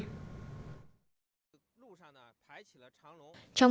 trong hai ngày hãng air france đã tăng sáu lương